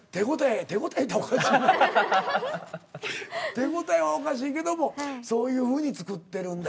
「手応え」はおかしいけどもそういうふうに作ってるんだ。